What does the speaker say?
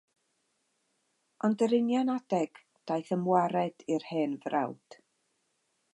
Ond yr union adeg daeth ymwared i'r hen frawd.